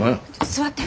座って。